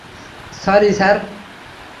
Sorry, sir.